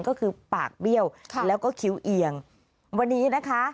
ก็คือปากเบี้ยวแล้วก็คิ้วเอียงวันนี้นะคะ